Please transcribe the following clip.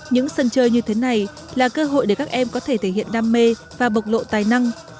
những sân chơi như thế này là cơ hội để các em có thể thể hiện đam mê và bộc lộ tài năng